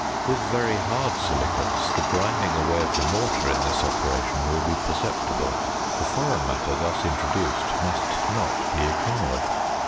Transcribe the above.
With very hard silicates, the grinding away of the mortar in this operation will be perceptible; the foreign matter thus introduced must not be ignored.